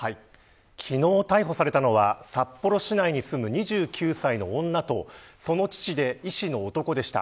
昨日、逮捕されたのは札幌市内に住む２９歳の女とその父で、医師の男でした。